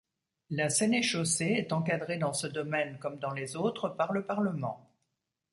La sénéchaussée est encadrée dans ce domaine comme dans les autres par le parlement.